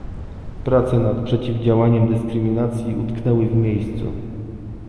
Prace nad przeciwdziałaniem dyskryminacji utknęły w miejscu